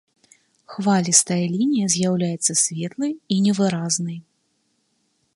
Хвалістая лінія з'яўляецца светлай і невыразнай.